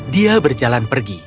dia berjalan pergi